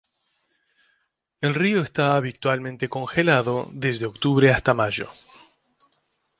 El río está habitualmente congelado desde octubre hasta mayo.